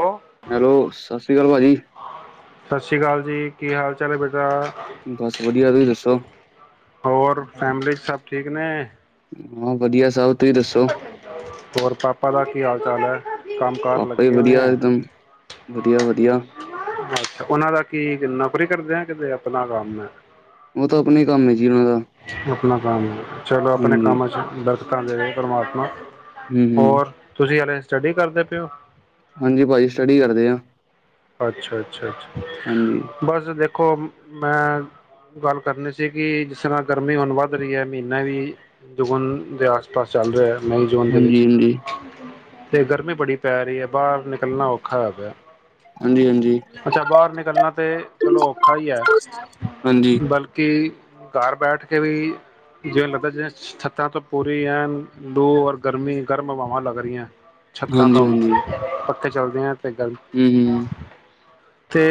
Hello hello ਸਤਿ ਸ੍ਰੀ ਅਕਾਲ।। ਭਾਜੀੀ। ਸਤਿ ਸ਼੍ਰੀ ਅਕਾਲ ਜੀ।। ਕੀ ਹਾਲ ਚਾਲ ਹੈ ਬੇਟਾ? ਬਸ ਵਧੀਆ ਤੁਸੀਂ ਦੱਸੋ ਹੋਰ ਫੈਮਲੀ ਚ ਸਭ ਠੀਕ ਨੇ। ਹਾਂ ਵਧੀਆ। ਸਭ ਤੁਸੀਂ ਦੱਸੋ ਹੋਰ ਪਾਪਾ ਦਾ ਕੀ ਹਾਲ ਚਾਲ ਹੈ। ਕੰਮ ਕਾਰ ਪਾਪਾ ਹੀ ਲੱਗੇ ਹੋਏ ਵਧੀਆ ਹੈ ਇੱਕਦਮ। ਵਧੀਆ ਵਧੀਆ। ਅੱਛਾ ਉਹਨਾਂ ਦਾ ਕੀ ਨੌਕਰੀ ਕਰਦੇ ਆ ਕਿਤੇ ਆਪਣਾ ਕੰਮ ਹੈ? ਉਹ ਤਾਂ ਆਪਣੇ ਕੰਮ ਹੈ ਜੀ ਉਹਨਾਂ ਦਾ ਆਪਣਾ ਕੰਮ ਚਲੋ ਆਪਣੇ ਹਾਂਜੀ ਕੰਮਚ ਤਾਂ ਜੇ ਉਹ ਪਰਮਾਤਮਾ। ਹੂੰ ਹੂੰ ਹੋਰ ਤੁਸੀਂ [unintelligible] ਸਟੱਡੀ ਕਰਦੇ ਪਏਓ? ਹਾਂਜੀ ਭਾਜੀ ਸਟੱਡੀ ਕਰਦੇ ਆ। ਅੱਛਾ ਅ ਹਾਂਜੀ ਬਸ ਦੇਖੋ ਦੇਖੋ ਮੈਂ ਗੱਲ ਕਰਨੀ ਸੀ ਕਿ ਜਿਸ ਤਰ੍ਹਾਂ ਗਰਮੀ ਹੁਣ ਵੱਧ ਰਹੀ ਹੈ ਮਹੀਨਾ ਵੀ। [unintelligible] ਪਾਸ ਚਲ ਰਿਹਾ ਹੈ ਮਈ ਜੂਨ ਦੇ ਹਾਂਜੀ ਵਿੱਚ ਹਾਂਜੀ ਤੇ ਗਰਮੀ ਬੜੀ ਪੈ ਰਹੀ ਹੈ ਬਾਹਰ ਨਿਕਲਣਾ ਔਖਾ ਹੋਨਾ ਪਾਇਆ ਹਾਂਜੀ ਹਾਂਜੀ ਅੱਛਾ ਬਾਹਰ ਨਿਕਲਣਾ ਤੇ ਚਲੋ ਔਖਾ ਹੀ ਹੈ ਹਾਂਜੀ ਬਲਕਿ ਘਰ ਬੈਠ ਕੇ ਵੀ ਜਿ ਲੱਗਦਾ ਜਿਵੇ ਛੱਤਾਂ ਤੋਂ ਪੂਰੀ ਐ ਲੂ ਔਰ ਗਰਮੀ ਗਰਮ ਹਵਾਵਾਂ ਲੱਗ ਰਹੀਆਂ ਛੱਤਾਂ ਹਾਂਜੀ ਤੋਂ ਹਾਂਜੀ ਔਕੇ ਚੱਲਦੇ ਹਾਂ। ਏ ਗੱਲ ਹੀ ਹੀ ਤੇ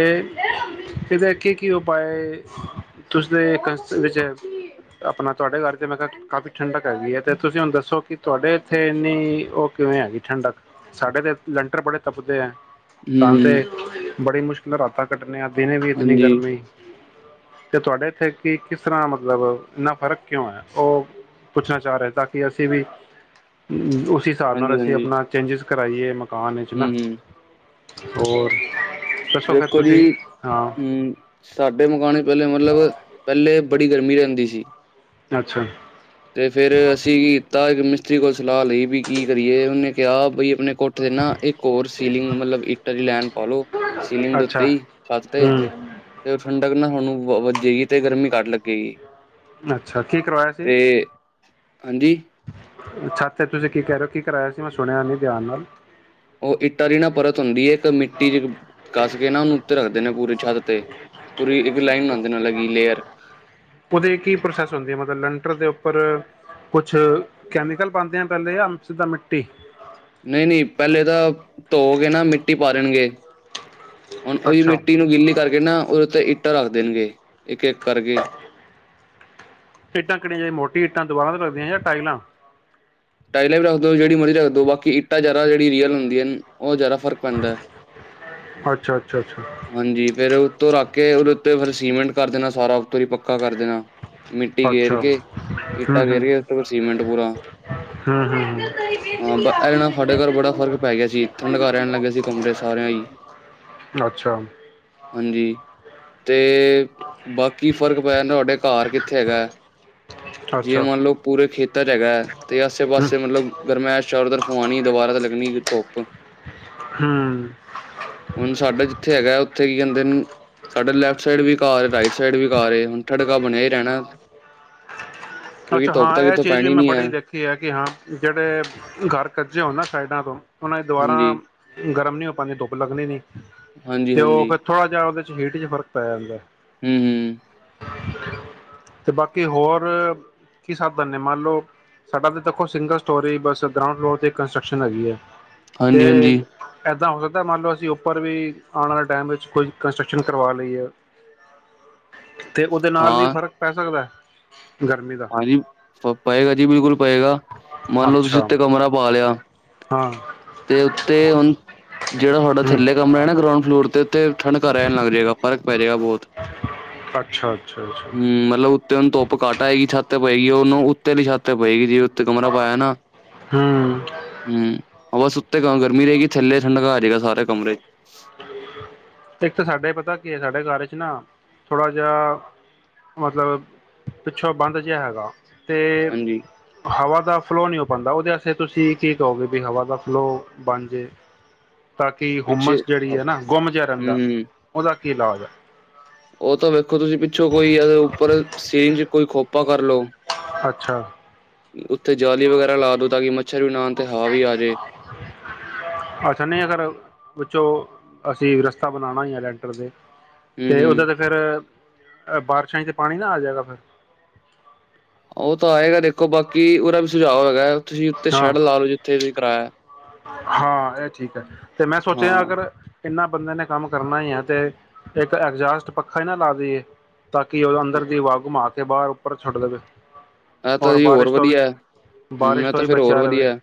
ਇਹਦੇ ਕੀ ਕੀ ਉਪਾਅ ਤੁਸੀਦੇ ਵਿੱਚ ਆਪਣਾ, ਤੁਹਾਡੇ ਘਰ ਤੇ ਮੈਂ ਕਿਹਾ ਕਾਫ਼ੀ ਠੰਡਕ ਹੈਗੀ ਹੈ ਤੇ ਤੁਸੀਂ ਹੁਣ ਦੱਸੋ ਕਿ ਤੁਹਾਡੇ ਇੱਥੇ ਇੰਨੀ ਉਹ ਕਿਵੇਂ ਹੈਗੀ ਠੰਡਕ, ਸਾਡੇ ਤੇ ਲੰਟਰ ਬੜੇ ਤਪਦੇ ਹੈ। ਹੂੰ ਹੂੰ [unintelligible] ਬੜੀ ਮੁਸ਼ਕਿਲ ਨਾਲ ਰਾਤਾਂ ਕੱਟ ਨੇ ਆ ਦਿਨੇ ਵੀ ਇਤਨੀ ਹਾਂਜੀ ਗਰਮੀ। ਤੇ ਤੁਹਾਡੇ ਇੱਥੇ ਕਿ ਕਿਸ ਤਰ੍ਹਾਂ ਮਤਲਬ ਇੰਨਾ ਫ਼ਰਕ ਕਿਉਂ ਹੈ, ਉਹ ਪੁੱਛਣਾ ਚਾਹ ਰਹੇ ਤਾਂ ਕਿ ਅਸੀਂ ਵੀ। ਉਸ ਹਿਸਾਬ ਨਾਲ ਹਾਂਜੀ ਅਸੀਂ ਹਾਂਜੀ ਆਪਣਾ ਚੇਂਜਿਸ ਕਰਾਈਏ ਮ ਕਾਨ ਵਿਚ ਹੂੰ ਨਾ। ਹੂੰ ਹੋਰ। ਦੱਸੋ ਫਿਰ ਵੇਖੋ ਜੀ ਤੁਸੀਂ ਹਾਂ ਹੂ, ਸਾਡੇ ਮਕਾਣੇ ਪਹਿਲੇ ਮਤਲਬ ਪਹਿਲੇ ਬੜੀ ਗਰਮੀ ਰਹਿੰਦੀ ਸੀ। ਅੱਛਾ-ਅੱਛਾ। ਤੇ ਫੇਰ ਅਸੀਂ ਕੀ ਕੀਤਾ ਕਿਸੀ ਕੋਲ ਸਲਾਹ ਲਈ ਵੀ ਕੀ ਕਰੀਏ, ਉਹਨੇ ਕਿਹਾ ਬਈ ਆਪਣੇ ਕੋਟ ਤੇ ਨਾ ਇੱਕ ਹੋਰ ਸੀਲਿੰਗ, ਮਤਲਬ ਹੀਟਰ ਦੀ ਲੈਣ ਪਾਾਲਓ, ਸੀਲਿੰਗ ਦੇ ਅੱਛਾ ਉੱਤੇ ਹੀ ਛਲ ਤੇ ਹੂੰ ਉਹ ਠੰਡਕ ਨਾ। ਔਨੂੰ ਵੱਜੇਗੀ, ਤੇ ਗਰਮੀ ਘੱਟ ਲੱਗੇਗੀ। ਅੱਛਾ ਕੀ ਕਰਵਾਇਆ ਸੀ। ਤੇ ਹਾਂਜੀ। ਛਾਤ ਤੇ ਤੁਸੀਂ ਕੀ ਕਹਿ ਰਹੇ ਹੋ ਕੀ ਕਰਾਇਆ ਸੀ, ਮੈਂ ਸੁਣਿਆ ਨਹੀਂ ਧਿਆਨ ਨਾਲ। ਉਹ ਇੱਟਾਂ ਦੀ ਨਾ ਪਰਤ ਹੁੰਦੀ ਹੈ ਇੱਕ ਮਿੱਟੀ ਚ ਕੱਸ ਕੇ ਨਾ ਉਹਨੂੰ ਉੱਤੇ ਰੱਖਦੇ ਨੇ ਪੂਰੀ ਛੱਤ ਤੇ, ਪੂਰੀ ਇੱਕ ਲਾਈਨ ਬਣਾਦੇ ਨੇ ਇਕ ਲੇਅਰ। ਉਹਦੇ ਕੀ ਪ੍ਰੋਸੈਸ ਹੁੰਦੀ ਹੈ, ਮਤਲਬ ਲੰਟਰ ਦੇ ਉੱਪਰ ਕੁਛ ਕੈਮੀਕਲ ਨਹੀਂ ਨਹੀਂ ਪਹਿਲੇ ਤਾਂ ਤੇ ਨਾ ਮਿੱਟੀ ਪਾ ਦੇਣਗੇ ਹੁਣ ਉਹੀ ਅੱਛਾ ਮਿੱਟੀ ਨੂੰ ਗਿੱਲੀ ਕਰਕੇ ਨਾ ਓਦੇ ਇੱਟ ਇੱਟਾਂ ਰੱਖ ਦੇਣ ਗ ਇੱਕ-ਇੱਕ ਕਰ ਕੇ। ਇੱਟਾਂ ਕਿਹੜੀਆਂ ਜੜੀਆਂ ਮੋਟੀ ਇੱਟਾਂ ਦੀਵਾਰਾਂ ਚ ਲੱਗਦੀਆਂ, ਜਾਂ ਟਾਈਲਾਂ ਟਾਈਲਾਂ ਵੀ ਰੱਖ ਦੋ ਜਿਹੜੀ ਮਰਜ਼ੀ ਰੱਖ ਦੋ ਬਾਕੀ ਇੱਟਾਂ ਜ਼ਿਆਦਾ ਜਿਹੜੀ ਰੀਅਲ ਹੁੰਦੀ ਨੇ। ਉਹ ਜ਼ਿਆਦਾ ਫ਼ਰਕ ਪੈਂਦਾ, ਅੱਛਾ ਅੱਛਾ ਅੱਛਾ ਹਾਂਜੀ, ਫੇਰ ਉਤੋਂ ਰੱਖ ਕੇ ਓਦੇ ਉੱਤੇ ਉ ਫਿਰ ਸੀਮੈਂਟ ਕਰ ਦੇਣਾ ਸਾਰਾ ਉਤ ਹੀ ਪੱਕਾ ਕਰ ਦੇਣਾ। ਮਿੱਟੀ ਗੇਰ ਅੱਛਾ ਕੇ, ਹੂੰ ਈਟਾਂ ਗੇਰ ਕੇ, ਓਦੇ ਉੱਪਰੋਂ ਸੀਮੈਂਟ ਪੂਰਾ। ਹਾਂ ਬ ਇਹਦੇ ਨਾਲ ਸਾਡੇ ਘਰ ਬੜਾ ਫ਼ਰਕ ਹੂ ਪੈ ਗਿਆ ਸੀ ਠੰਡਕਾ ਰਹਿਣ ਲੱਗੇ ਸੀ ਕਮਰੇ ਸਾਰਿਆਂ ਹੀ ਹੂ। ਹਾਂਜੀ ਤੇ ਅੱਛਾ। ਬਾਕੀ ਫਰਕ ਪਿਆ ਤੁਹਾਡੇ ਘਰ ਕਿੱਥੇ ਹੈਗਾ ਜੇ ਅੱਛਾ ਮੰਨਲਓ ਪੂਰੇ ਖੇਤ ਤਰ ਹੈਗਾ। ਤੇ ਆਸੇ ਹੂੰ ਪਾਸੇ ਮਤਲਬ ਗਰਮੈਸ਼ ਚਾਰੋ ਤਰਫ ਫਉਣੀ ਦੁਬਾਰਾ ਤੇ ਲੱਗਣੀ ਧੁੱਪ। ਹੂੰ ਹੁਣ ਸਾਡਾ ਜਿੱਥੇ ਹੈਗਾ ਉੱਥੇ ਕੀ ਕਹਦੇ ਨੇ ਸਾਡੇ ਲੈਫ ਲਫ ਸਾਈਡ ਵੀ ਘਾਰ ਰਾਈਟ ਸਾਈਡ ਵੀ ਘਾਰ ਰਹੇ ਹੁਣ ਬਣਿਆ ਹੀ ਰਹਿਣਾ। ਕਿਉਂਕਿ ਧੁੱਪ ਤ ਕਿੱਥੋਂ ਪੈਣੀ ਨੀ ਹੈ। ਕੀ ਹੈ ਕਿ ਹਾਂ ਜਿਹੜੇ ਘਰ ਕੱਜੇ ਹੋ ਨਾ ਸਾਈਡਾਂ ਤੋਂ ਉਹਨਾਂ ਨੇ ਦੁਬਾਰਾ ਹਾਂਜੀ, ਗਰ ਉਹ ਨੀ ਹੋ ਪਾਂਦੀ ਧੁੱਪ ਲੱਗਣੀ ਨਹੀਂ। ਹਾਂਜੀ, ਹਾਂਜੀ ਤੇ ਉਹ ਫਿਰ ਹੂੰ, ਥੋੜਾ ਜਿਹਾ ਉਹਦੇ ਹੀਟ ਚ ਫਰਕ ਪੈ ਜਾਂਦਾ। ਹਮ-ਹਮ ਤੇ ਬਾਕੀ ਹੋਰ ਕੀ ਸਾਬ ਬੰਨੇ ਮੰਨ ਲਓ ਸਾਡਾ ਤੇ ਦੇਖੋ ਸਿੰਗਲ ਸਟੋਰੇ ਬਸ ਗਰਾਊਂਡ ਫਲੋਰ ਤੇ ਕੰਸਟਰਕਸ਼ਨ ਹੈਗੀ ਹੈ ਹਾਂਜੀ, ਤੇ ਹਾਂਜੀ ਇੱਦਾਂ ਹੋ ਸਕਦਾ ਮੰਨ ਲਓ ਅਸੀਂ ਉੱਪਰ ਵੀ ਆਉਣ ਵਾਲੇ ਟਾਈਮ ਵਿੱਚ ਕੋਈ ਕੰਸਟਰਕਸ਼ਨ ਕਰਵਾ ਲਈਏ। ਤੇ ਉਹਦੇ ਨਾਲ ਵੀ ਹਾਂ, ਫ਼ਰਕ ਪੈ ਸਕਦਾ ਹੈ। ਗਰਮੀ ਦਾ ਹਾਂਜੀ ਫਰਕ ਪਏਗਾ ਜੀ ਬਿਲਕੁਲ ਪਏਗਾ। ਮੰਨ ਲਓ ਤੁਸੀਂ ਅੱਛਾ ਉੱਥੇ ਕਮਰਾ ਪਾ ਲਿਆ ਹਾਂ ਤੇ ਉੱਤੇ ਹੁਣ ਜਿਹੜਾ ਤੁਹਾਡਾ ਹਮ ਥੱਲੇ ਕਮਰਾ ਹੈ ਨਾ ਗਰਾਉਂਡ ਫਲੋਰ ਤੇ ਉੱਥੇ ਠੰਡਕ ਰਹਿਣ ਲੱਗ ਜਾਏਗਾ ਫਰਕ ਪੈ ਜਾਏਗਾ ਬਹੁਤ ਅੱਛਾ ਅੱਛਾ ਅੱਛਾ ਹਮ ਮਤਲਬ ਉੱਤੇ ਉਹਨੂੰ ਧੁੱਪ ਕੱਟ। ਪਏਗੀ ਛੱਤ ਪਏਗੀ ਉਹ ਉੱਤੇ ਲਈ ਛਾਤ ਤੇ ਪਏਗੀ ਜੀ। ਕਮਰਾ ਪਾਇਆ ਨਾ ਹਮ ਹਮ ਹਾਂ [unintelligible] ਉੱਤੇ ਗਰਮੀ ਰਹੇ ਗੀ ਥੱਲੇ ਠੰਡਕਾ ਆ ਜਾਏਗਾ ਸਾਰੇ ਕਮਰੇ। ਕਿ ਸਾਡੇ ਘਰ ਚ ਨਾ ਥੋੜਾ ਜਿਹਾ ਮਤਲਬ ਪਿੱਛੋਂ ਬੰਦ ਜਿਹਾ ਹੈਗਾ। ਤੇ ਹਾਂਜੀ। ਹਵਾ ਦਾ ਫਲੋਅ ਨਹੀਂ ਹੋ ਪਾਉਂਦਾ ਉਹਦੇ ਆਸੇ ਤੁਸੀਂ ਕੀ ਕਹੋਗੇ ਵੀ ਹਵਾ ਦਾ ਫਲੋ ਬਣ ਜੇ। ਤਾਂ ਕਿ ਪਿੱਛੇ ਹੁਮਸ ਜਿਹੜੀ ਹੈ ਨਾ ਗੁੰਮ ਜਿਹਾ ਰਹਿੰਦਾ ਹੂੰ, ਉਹਦਾ ਕੀ ਲਾਜ ਹੈ। ਉਹ ਤਾਂ ਵੇਖੋ ਤੁਸੀਂ ਪਿੱਛੋਂ ਕੋਈ ਇਹਦੇ ਉੱਪਰ ਸੀਨ ਚ ਕੋਈ ਖੋਪ ਕਰ ਲਓ। ਅੱਛਾ ਉੱਥੇ ਜਾਲੀ ਵਗੈਰਾ ਲਾ ਦਿਉ ਤਾਂ ਕਿ ਮੱਛਰ ਵੀ ਨਾਉਣ ਤੇ ਹਵਾ ਵੀ ਆ ਜਾਵੇ। ਅੱਛਾ ਨਹੀਂ ਅਗਰ ਵਿੱਚੋਂ ਅਸੀਂ ਰਸਤਾ ਬਣਾਉਣਾ ਹੀ ਆ ਲੈਂਟਰ ਦੇ। ਤੇ ਓਦਾਂ ਹੂੰ-ਹੂੰ। ਤਾਂ ਫਿਰ। ਅ ਬਾਰਿਸ਼ਾਂ ਹੀ ਤੇ ਪਾਣੀ ਨਾ ਆ ਜਾਏਗਾ ਫਿਰ। ਉਹ ਤਾਂ ਆਏਗਾ ਦੇਖੋ ਬਾਕੀ ਉਹਦਾ ਵੀ ਸੁਝਾਅ ਹੈਗਾ। ਤੁਸੀਂ ਉੱਥੇ ਹਾਂ ਸ਼ੈੱਡ ਲਾ ਲੋਓ ਜਿੱਥੇ ਵੀ ਕਰਾਇਆ। ਹਾਂ ਇਹ ਠੀਕ ਹੈ, ਤੇ ਮੈਂ ਸੋਚਿਆਿ ਆ ਹਾਂ, ਅਗਰ ਇਹਨਾਂ ਬੰਦਿਆਂ ਨੇ ਕੰਮ ਕਰਨਾ ਹੀ ਹੈ ਤੇ ਇੱਕ ਐਗਜਾਸਟ ਪੱਖਾ ਹੀ ਨਾ ਲਾ ਦੇਏ, ਤਾਂ ਕਿ ਉਹ ਅੰਦਰ ਦੀ ਹਵਾ ਘੁਮਾ ਕੇ ਬਾਹਰ ਉੱਪਰ ਛੱਡ ਦੇਵੇ। ਆਹ ਤਾਂ ਔਰ ਜੀ ਹੋਰ ਬਾਰਿਸ਼ ਤੋਂ ਵੀ ਵਧੀਆ ਹਮ ਆ ਬਾਰਿਸ਼ ਤੋਂ ਤੇ ਵੀ ਫਿਰ ਹੋਰ ਬਚਿਆ ਰਹੇ ਵਧੀਆ।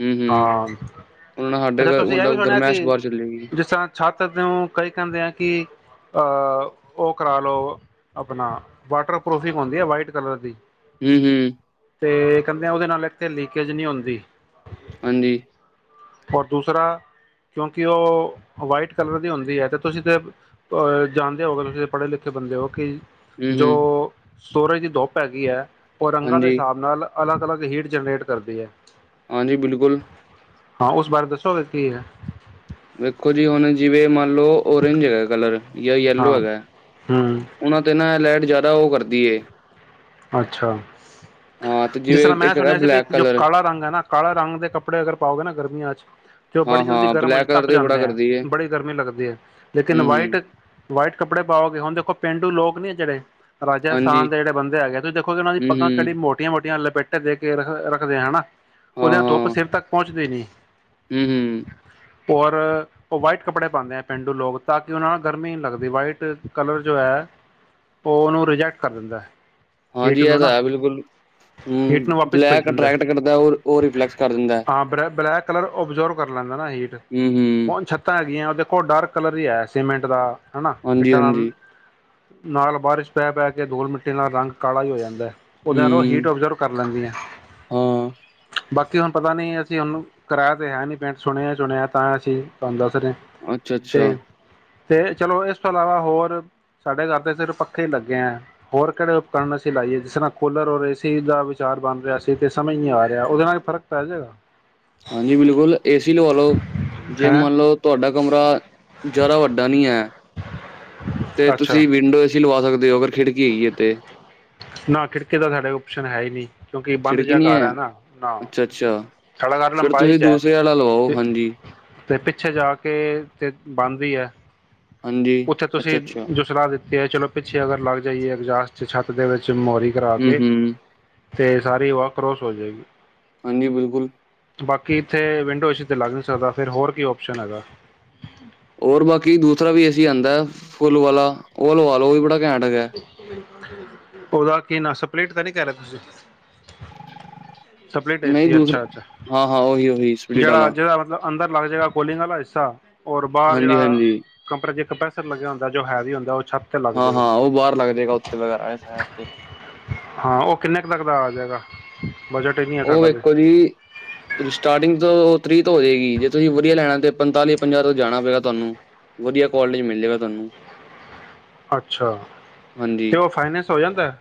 ਹਮ ਹਮ, ਹਾਂ ਅੱਛਾ,, ਤੁਸੀਂ ਇਹ ਵੀ ਸੁਣਿਆ ਕਿ ਚਲੇਗੀ ਜਿਸ ਤਰ੍ਹਾਂ ਛੱਤ ਨੂੰ ਕਈ ਕਹਿੰਦੇ ਆ ਕਿ ਅਹ ਉਹ ਕਰਾ ਲਉ ਆਪਣਾ ਵਾਟਰਪ੍ਰੂਫ਼ਿੰਗ ਹੁੰਦੀ ਹੈ ਵਾਈਟ ਕਲਰ ਦੀ। ਹਮ ਹਮ, ਤੇ ਕਹਿੰਦੇ ਉਹਦੇ ਨਾਲ ਇੱਥੇ ਲੀਕੇਜ ਨਹੀਂ ਹੁੰਦੀ, ਹਾਂਜੀ। ਔਰ ਦੂਸਰਾ ਕਿਉਂਕਿ ਉਹ ਵਾਈਟ ਕਲਰ ਦੀ ਹੁੰਦੀ ਹੈ, ਤੇ ਤੁਸੀਂ ਤਾਂ ਅ ਜਾਣਦੇ ਹੋਗੇ ਤੁਸੀਂ ਪੜ੍ਹੇ ਲਿਖੇ ਬੰਦੇ ਹੋ ਕਿ ਜੋ ਹੂੰ-ਹੂੰ। ਸੂਰਜ ਦੀ ਧੁੱਪ ਹੈਗੀ ਹੈ। ਓਹ ਰੰਗਾ ਦੇ ਹਾਂਜੀ, ਹਿਸਾਬ ਨਾਲ ਅਲੱਗ ਅਲੱਗ ਹੀਟ ਜਨਰੇਟ ਕਰਦੀ ਹੈ। ਹਾਂਜੀ ਬਿਲਕੁਲ। ਹਾਂ ਉਸ ਬਾਰੇ ਦੱਸੋਗੇ ਕੀ ਹੈ? ਵੇਖੋ ਜੀ ਹੁਣ ਜਿਵੇਂ ਮੰਨ ਲਓ ਓਰੇਂਜ ਹੈਗਾ ਕਲਰ ਜਾਂ ਯੇਲੋ ਹਾਂ ਹੈਗਾ ਹਮ ਉਹਨਾਂ ਤੇ ਨਾ ਲਾਈਟ ਜ਼ਿਆਦਾ ਉਹ ਕਰਦੀ। ਅੱਛਾ ਹਾਂ ਤੇ ਜਿਸ ਜਿਵੇਂ ਤਰ੍ਹਾਂ ਮੈਂ ਇੱਕ ਹੈਗਾ ਸੁਣਿਆ ਸੀ ਵੀ ਬਲੈਕ ਜੋ ਕਲਰ ਕਾਲਾ ਰੰਗ ਹੈ ਨਾ ਕਾਲਾ ਰੰਗ ਦੇ ਕੱਪੜੇ ਅਗਰ ਪਾਓਗੇ ਨਾ ਗਰਮੀਆਂ ਚ ਜੋ ਬੜੀ ਜਲਦੀ ਹਾਂ-ਹਾਂ ਗਰਮ ਹੋ ਜਾ ਬਲੈਕ ਕਲਰ ਤੱਪ ਤੇ ਬੜਾ ਜਾਂਦੇ ਹੈ ਕਰਦੀ ਏ ਬੜੀ ਗਰਮੀ ਲੱਗਦੀ ਹੈ ਲੇਕਿਨ ਹੂੰ-ਹੂੰ ਵਾਈਟ ਵਾਈਟ ਕੱਪੜੇ ਪਾਓਗੇ ਹੁਣ ਦੇਖੋ ਪੇਂਡੂ ਲੋਕ [unintelligible] ਹਾਂਜੀ ਰਾਜਸਥਾਨ ਦੇ ਜਿਹੜੇ ਬੰਦੇ ਹੈਗੇ ਨੇ ਤੁਸੀ ਦੇਖੋ ਕਿ ਉਹ ਦੀਆ ਪੱਗਾਂ ਕਿੱਡੀ ਹੂੰ-ਹੂੰ ਮੋਟੀਆਂ ਮੋਟੀਆਂ [unintelligible] ਦੇ ਕੇ ਰੱਖ ਰੱਖਦੇ ਹਨਾ ਉਹਦੇ ਨਾਲ ਧੁੱਪ ਸਿਰ ਤੱਕ ਪਹੁੰਚਦੀ ਨੀ। ਹਮ ਹਮ। ਔਰ ਉਹ ਵਾਈਟ ਕੱਪੜੇ ਪਾਉਂਦੇ ਹੈ ਪੇਂਡੂ ਲੋਕ ਤਾਂ ਕਿ ਉਹਨਾਂ ਨਾਲ ਗਰਮੀ ਨਹੀਂ ਲੱਗਦੀ ਵਾਈਟ ਕਲਰ ਜੋ ਹੈ ਉਹ ਉਹਨੂੰ ਰਿਜੈਕਟ ਕਰ ਦਿੰਦਾ। ਹਾਂਜੀ ਹੀਟ ਇਹ ਨੂੰ ਤਾਂ ਨਾ ਹੈ ਬਿਲਕੁਲ ਹਮ ਹੀਟ ਨੂੰ ਵਾਪਿਸ ਭੇਜ ਬਲੈਕ ਦਿੰਦਾ ਹੈ। ਅਟਰੈਕਟ ਕਰਦਾ। ਉਹ ਉਹ ਰਿਫਲੈਕਸ ਕਰ ਦਿੰਦਾ ਹੈ ਹਾਂ ਬਲੈ ਬਲੈਕ ਕਲਰ ਓਬਜ਼ਰਵ ਕਰ ਲੈਂਦਾ ਨਾ ਹੀਟ ਹਮ ਹਮ ਹੁਣ ਛੱਤਾਂ ਹੈਗੀਆਂ ਉਹ ਦੇਖੋ ਡਾਰਕ ਕਲਰ ਹੀ ਹੈ ਸੀਮੈਂਟ ਦਾ ਹਨਾ ਇੱਟਾ ਆਮ ਹਾਂਜੀ-ਹਾਂਜੀ ਨਾਲ ਬਾਰਿਸ਼ ਪੈ ਪੈ ਕੇ ਦੁਲ ਮਿੱਟੀ ਨਾਲ ਰੰਗ। ਕਾਲਾਹੀ ਹੋ ਜਾਂਦਾ‌। ਉਹਦੇ ਨਾਲ ਉਹ ਹੂੰ ਹੀਟ ਓਬਜ਼ਰਵ ਕਰ ਲੈਂਦੀਆਂ। ਹਾਂ। ਬਾਕੀ ਹੁਣ ਪਤਾ ਨੀ ਅਸੀਂ ਹੁਣੂੰ ਕਿਰਾਆ ਤੇ ਹੈ ਨੀ ਪੈਂਟ ਸੁਣਿਆ ਸੁਣਿਆ ਤਾਂ ਅਸੀਂ ਤੁਹਾਨੂੰ ਦੱਸ। ਅੱਛਾ-ਅੱਛਾ ਤੇ ਤੇ ਚਲੋ ਇਸ ਤੋਂ ਇਲਾਵਾ ਹੋਰ ਸਾਡੇ ਘਰ ਦੇ ਸਿਰ ਪੱਖੇ ਹੀ ਲੱਗੇ ਹੈ ਹੋਰ ਕਿਹੜੇ ਕ ਅਸੀਂ ਲਾਈਏ ਜਿਸ ਤਰ੍ਹਾਂ ਕੂਲਰ ਔਰ ਏਸੀ ਦਾ ਵਿਚਾਰ ਬਣ ਰਿਹਾ ਸੀ ਤੇ ਸਮਝ ਹੀ ਨਹੀਂ ਆ ਰਿਹਾ ਉਹਦੇ ਨਾਲ ਫਰਕ ਪੈ ਜਾਏਗਾ। ਹਾਂਜੀ ਬਿਲਕੁਲ ਏਸੀ ਲਵਾ ਲਓ ਜੇ ਹੈਂ ਮੰਨ ਲਓ ਤੁਹਾਡਾ ਕਮਰਾ ਜ਼ਿਆਦਾ ਵੱਡਾ ਨਹੀਂ ਹੈ। ਤੇ ਅੱਛਾ ਤੁਸੀਂ ਵਿੰਡੋ ਏ ਸੀ ਲਵਾ ਲੋ। ਪਾ ਸਕਦੇ ਹੋਓ ਵਰ। ਖਿੜਕੀ ਹੈਗੀ ਏ ਤੇ। ਨਾ ਖਿੜਕੇ ਦਾ ਸਾਡੇ ਕੋ ਓਪਸ਼ਨ ਹੈ ਹੀ ਨਹੀਂ। ਕਿਉਂਕਿ ਬੰਦ ਖਿੜਕੀ ਜਿਹਾ ਨੀ ਘਰ ਹੈ ਨਾ ਨਾ ਅੱਛਾ ਅੱਛਾ ਸਾਡਾ ਘਰ ਫਿਰ ਲੰਬਾਈ ਤੁਸੀਂ ਚ ਹੈ ਦੂਸਰੇ ਵਾਲਾ ਲਵਾਓ ਤੇ ਹਾਂਜੀ ਤੇ ਪਿੱਛੇ ਜਾ ਕੇ ਤੇ ਬੰਦ ਹੀ ਹੈ। ਹਾਂਜੀ ਉੱਥੇ ਅੱਛਾ ਤੁਸੀਂ ਅੱਛਾ ਜੋ ਸਲਾਹ ਦਿੱਤੀ ਹੈ ਚਲੋ ਪਿੱਛੇ ਅਗਰ ਲੱਗ ਜਾਈਏ। ਛਤ ਦੇ ਵਿਚ ਚ ਮੋਰੀ ਕਰਾ ਹਮ ਕੇ ਹਮ ਤੇ ਸਾਰੀ ਵਾਹ ਕਰੋਸ ਹੋ ਜਾਏਗੀ। ਨੀ ਬਿਲਕੁਲ।। ਬਾਕੀ ਇੱਥੇ ਵਿੰਡੋ ਏ ਸੀ 'ਤੇ ਲੱਗ ਨਹੀਂ ਸਕਦਾ ਫਿਰ ਹੋਰ ਕੀ ਓਸ਼ਨ ਹੈਗਾ। ਹੋਰ ਬਾਕੀ ਦੂਸਰਾ ਵੀ‌ ਏ ਸੀ ਆਉਂਦਾ ਫੁੱਲ। ਵਾਲਾ ਉਹ ਲਵਾ ਲੌ ਉਹ ਵੀ ਬੜਾ ਘੈਂਟ ਹੈਗਾ ਹ ਉਹਦਾ ਕੀ ਨਾਂ ਸਪਲੇਿਟ ਤਾਂ ਨਹੀਂ ਕਹ ਰਹੇ ਤੁਸੀ। ਸਪਲਾਈਟ ਨਹੀਂ ਏਸੀ ਅੱਛਾ ਦੂਸਰਾ ਅੱਛਾ ਹਾਂ ਹਾਂ ਉਹੀ ਉਹੀ ਸਪਲਿਟ ਜਿਹੜਾ ਵਾਲਾ ਮਤਲਬ ਅੰਦਰ। ਜੇਹਰਾ ਕੋਲਿੰਗ ਵਾਲਾ ਹਿੱਸਾ ਔਰ ਬਾਹਰ ਹਾਂਜੀ ਜਿਹੜਾ ਹਾਂਜੀ ਕੰਪ ਕੰਪ੍ਰੇਸਰ ਲੱਗਿਆ ਹੁੰਦਾ ਜੋ ਹੈਵੀ ਹੁੰਦਾ ਐ ਛੱਤ ਤੇ ਲੱਗ ਹਾਂ ਜਾਏਗਾ ਹਾਂ ਉਹ ਬਾਹਰ ਲੱਗ ਜਾਏਗਾ ਉੱਥੇ ਵਗੈਰਾ ਇਹ ਸਾਈਡ ਤੇ ਹਾਂ। ਉਹ ਕਿੰਨੇ ਕੁ ਤੱਕ ਦਾ ਆ ਜਾਵੇਗਾ? ਉਹ ਵੇਖੋ ਜੀ ਸਟਾਰਟਿੰਗ ਤੋਂ ਤੀਹ ਤੋਂ ਹੋ ਜਾਏਗੀ ਜੇ ਤੁਸੀਂ ਵਧੀਆ ਲੈਣਾ ਤੇ ਪੰਤਾਲੀ ਪੰਜਾਹ ਤੋਂ ਜਾਣਾ ਪਏਗਾ ਤੁਹਾਨੂੰ ਵਧੀਆ ਕੋਾਲਜ ਮਿਲ ਜਾਏਗਾ ਤੁਹਾਨੂੰ ਅੱਛਾ। ਤੇ ਹਾਂਜੀ ਉਹ ਫਾਈਨਸ ਹੋ ਜਾਂਦਾ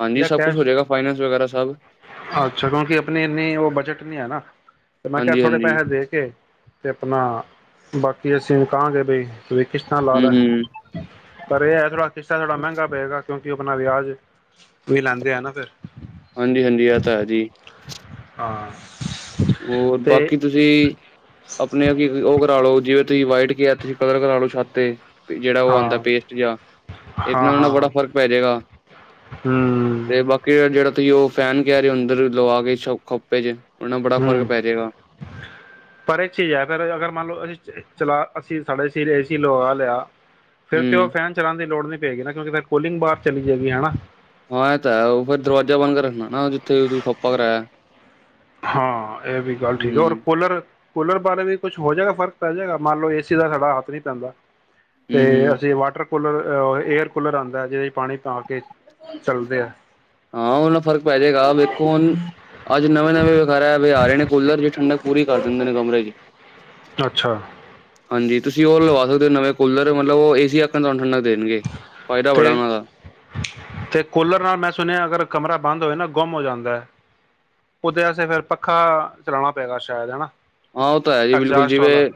ਹਾਂਜੀ ਜਾਂ ਸਭ ਕੁਛ ਹੋ ਕੈਸ਼ ਜਾਏਗਾ ਫਾਈਨੈਂਸ ਵਗੈਰਾ ਸਭ ਅ ਅੱਛਾ ਕਿਉਂਕਿ ਆਪਣੇ ਇੰਨਨੀ ਉਹ ਬਜਟ ਨਹੀਂ ਹੈ ਨਾ। ਤੇ ਮੈਂ ਕਿਹਾ ਹਾਂਜੀ ਥੋੜ੍ਹੇ ਹਾਂਜੀ ਪੈਸੇ ਦੇ ਕੇ ਤੇ ਆਪਣਾ ਬਾਕੀ ਅਸੀਂ ਨ ਕਾਂਗੇ ਬਈ, ਵੀ ਕਿਸਤਾਂ ਲਾ ਹੂੰ ਲੈ ਹੂੰ ਪਰ ਇਹ ਹੈ ਥੋੜਾ ਕਿਸ਼ਤਾ ਥੋੜਾ ਮਹਿੰਗਾ ਪਏਗਾ ਕਿਉਂਕਿ ਆਪਣਾ ਵਿਆਜ ਵੀ ਲੈਂਦੇ ਆ ਨਾ ਫਿਰ ਹਾਂਜੀ ਹਾਂਜੀ ਆ ਤਾਂ ਆ ਜੀ। ਹਾਂ, ਹੋਰ ਤੇ ਬਾਕੀ ਤੁਸੀਂ ਆਪਣੇ ਕੀ ਉਹ ਕਰਾਲਓ। ਜਿਵੇਂ ਤੁਸੀਂ ਵਾਈਟ ਕਿਹਾ ਤੁਸੀਂ ਕਲਰ ਕਰਾ ਲੋ ਛੱਤਤੇ। ਜਿਹੜਾ ਉਹ ਆਉਂਦਾ ਹਾਂ ਪੇਸਟ ਜਾਂ ਇੱਕ ਹਾਂ ਨਾਲ ਉਹ ਹਾਂ ਨਾਲ ਬੜਾ ਹਾਂ ਫ਼ਰਕ ਪੈ ਜਾਏਗਾ ਹੂੰ ਤੇ ਬਾਕੀ ਜਿਹੜਾ ਤੁਸੀਂ ਉਹ ਫੈਨ ਕ ਰ ਅੰਦਰ ਲਵਾ ਕੇ ਖੋਪੇ ਚ ਨਾਲ ਬੜਾ ਫ਼ਰਕ ਹੂੰ ਪੈ ਜਾਏਗਾ ਪਰ ਇਹ ਚੀਜ਼ ਹੈ ਫ ਅਗਰ ਮੰਨ ਲਓ ਅਸੀਂ ਚਲਾ ਅਸੀਂ ਸਾਡੇ ਸਿਰ ਏ ਸੀ ਲੋਕ ਆ ਲਿਆ ਤਾ ਫਿਰ ਤੇ ਉਹ ਹੂੰ ਫੈਨ ਚਲਾਉਣ ਦੀ ਲੋੜ ਨਹੀਂ। ਪੈ ਨਾ ਕਿਉਂਕਿ ਫ ਕੋਲਿੰਗ ਬਾਹਾਰ ਚਲੀ ਜਾਏਗੀ ਹਨਾ। ਹਾਂ ਇਹ ਤਾਂ ਹੈ ਫੇਰ ਦਰਵਾਜ਼ਾ ਬਣ ਕੇ ਰੱਖਣਾ ਨਾ ਜਿੱਥੇ ਤੁਸੀਂ ਖੋਪਾ ਕਰਾਇਆ। ਹਾਂ। ਇਹ ਵੀ ਗੱਲ ਠੀਕ ਹੂੰ ਹੈ ਔਰ ਕੂਲਰ ਕੂਲਰ ਬਾਰੇ ਵੀ ਕੁਛ ਹੋ ਜਾਏਗਾ ਫ਼ਰਕ ਪੈ ਜਾਗਾ ਮੰਨ ਲਓ ਏ ਸੀ ਦਾ ਸਾਡਾ ਹੱਥ ਨਹੀਂ ਪੈਂਦਾ। ਤੇ ਹੂੰ ਹੂੰ ਅਸੀਂ ਵਾਟਰ। ਕੂਲਰ ਏਅਰ ਕੂਲਰ ਆਉਂਦਾ ਜਿਹ ਪਾਣੀ ਪਾ ਕੇ ਚਲਦੇ ਐ। ਹਾਂ ਉਹ ਨਾਲ ਫਰਕ ਪੈ ਜਾਏਗਾ ਦੇਖੋ ਹੁਣ ਅੱਜ ਨਵੇਂ -ਨਵੇਂ ਖਰ ਵੀ ਆ ਰਹੇ ਨੇ ਕੂਲਰ ਜਿ ਠੰਡਕ ਪੂਰੀ ਕਰ ਦਿੰਦੇ ਨੇ ਕਮਰੇ ਚ ਅੱਛਾ। ਹਾਂਜੀ ਤੁਸੀਂ ਉਹ ਲਵਾ ਸਕਦੇ ਹੋ ਨਵੇਂ ਕੂਲਰ ਮਤਲਬ ਏ ਸੀ ਵਾਖਣ ਤੁਹਾਨੂੰ ਠੰਡਾ ਤੇ ਤੇ ਕੂਲਰ ਨਾਲ ਮੈਂ ਸੁਣਿਆ ਅਗਰ ਕਮਰਾ ਬੰਦ ਹੋਇਆ ਨਾ। ਗੁੰਮ ਹੋ ਜਾਂਦਾ ਹੈ ਉਹ ਓਦੇ ਵਸ ਫਿਰ ਪੱਖਾ ਚਲਾਉਣਾ ਪਏਗਾ ਸ਼ਾਇਦ ਹਨਾ। ਹਾਂ ਉਹ ਤਾਂ ਹੈ ਜੀ ਬਿਲਕੁਲ ਜਿਵੇਂ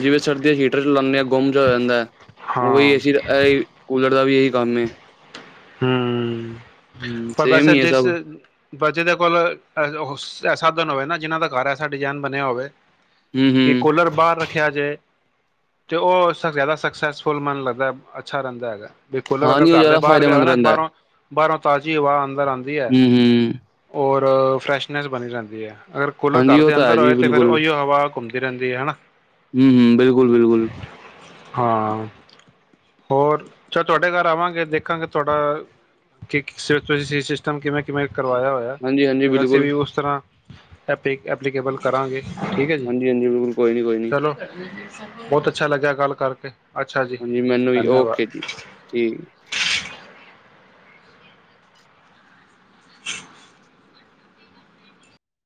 ਜਿਵੇਂ ਸਰਦੀਆਂ ਹੀਟਰ ਚਲਾਉਂਦੇ ਹਾਂ। ਗੁੰਮ ਚ ਹੋ ਜਾਂਦਾ ਹੈ ਉਹੀ ਹਾਂ ਏ ਸੀ ਦਾ ਕੂਲਰ ਦਾ ਵੀ ਇਹੀ [unintelligible] ਹਮ, ਹਮ ਪਰ ਸੇਮ ਵੈਸੇ ਹੀ ਹੈ ਜਿਸ ਸਭ [unintelligible] ਸਾਧਨ ਹੋਵੇ ਨਾ ਜਿਹਨਾਂ ਦਾ ਘਰ ਐਸਾ ਡਿਜ਼ਾਇਨ ਬਣਿਆ ਹੋਵੇ ਹਮ ਕਿ ਹਮ ਕੂਲਰ ਬਾਹਰ ਰੱਖਿਆ ਜੇ ਤੇ ਉਹ ਜ਼ਿਆਦਾ ਸਕਸੈਸਫੁਲ ਮਨ ਲੱਗਦਾ ਅੱਛਾ ਰਹਿੰਦਾ ਹੈਗਾ। ਵੀ ਖੋਲੋ ਹਾਂ ਅਗਰ ਨੀ ਉਹ ਘਰ ਦੇ ਜ਼ਿਆਦਾ ਬਾਹਰ ਪਿਆ ਹੋ ਫਾਇਦੇਮੰਦ ਨਾ ਰਹਿੰਦਾ ਬਾਹਰੋਂ ਬਾਹਰੋਂ ਤਾਜ਼ੀ ਹਵਾ ਅੰਦਰ ਆਉਂਦੀ ਹੈ। ਹਮ ਹਮ ਔਰ ਫਰੈਸ਼ਨੈਸ ਬਣੀ ਰਹਿੰਦੀ ਹੈ। ਅਗਰ ਕੂਲਰ ਹਾਂਜੀ ਘਰ ਉਹ ਦੇ ਹੈ ਅੰਦਰ ਜੀ ਹੋਏ ਤਾਂ ਫਿਰ ਬਿਲਕੁਲ ਉਹੀ ਹਵਾ ਘੁੰਮਦੀ ਰਹਿੰਦੀ ਆ ਹਨਾ। ਹਮ ਹਮ ਬਿਲਕੁਲ ਬਿਲਕੁਲ। ਹਾਂ ਹੋਰ ਚੱਲ ਤੁਹਾਡੇ ਘਰ ਆਵਾਂਗੇ ਦੇਖਾਂਗੇ ਤੁਹਾਡਾ ਕਿ ਸਿਰ ਸਹੀ ਸਿਸਟਮ ਕਿਵੇਂ ਕਿਵੇਂ ਕਰਵਾਇਆ ਹੋਇਆ ਹਾਂਜੀ ਹਾਂਜੀ ਫਿਰ ਅਸੀਂ ਬਿਲਕੁਲ ਵੀ ਉਸ ਤਰ੍ਹਾਂ ਐਪਿਕ ਐਪਲੀਕੇਬਲ ਕਰਾਂਗੇ। ਠੀਕ ਹੈ ਜੀ ਹਾਂਜੀ ਹਾਂਜੀ ਬਿਲਕੁਲ ਕੋਈ ਨੀ ਕੋਈ ਨੀ ਚਲੋ ਬਹੁਤ ਅ। ਅੱਛਾ ਲੱਗਿਆ ਗੱਲ ਕਰਕੇ। ਹਾਂਜੀ ਮੈਨੂੰ ਵੀ ਧੰਨਵਾਦ ਓਕੇ ਜੀ ਠੀਕ ਹੈ। [inaudible]